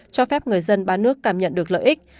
cho phép người dân ba nước cảm nhận được lợi ích